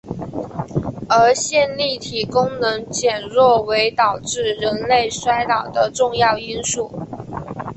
而线粒体功能减弱为导致人类衰老的重要因素。